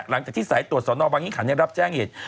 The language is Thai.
หลังจากที่สายตรวจสอนอบวางิขันยังรับแจ้งเหตุ